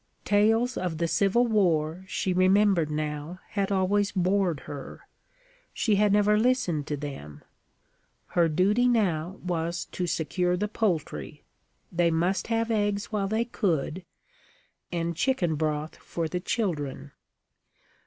Tales of the Civil War, she remembered now, had always bored her; she had never listened to them. Her duty now was to secure the poultry. They must have eggs while they could, and chicken broth for the children.